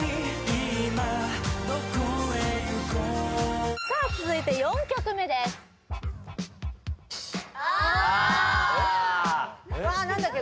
今何処へ行こうさあ続いて４曲目ですああわ何だっけ？